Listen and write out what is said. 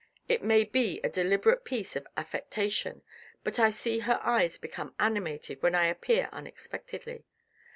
It may be a deliberate piece of affectation ; but I see her eyes become animated when I appear unex pectedly.